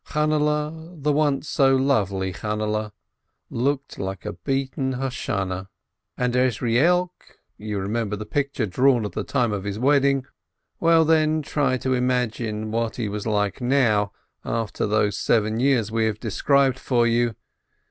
Channehle, the once so lovely Channehle, looked like a beaten Hosha nah, and Ezrielk — you remember the picture drawn at the time of his wedding? — well, then try to imagine what he was like now, after those seven years we have described for you!